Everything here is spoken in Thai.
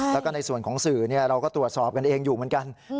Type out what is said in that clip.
แล้วก็ในส่วนของสื่อเราก็ตรวจสอบกันเองอยู่เหมือนกัน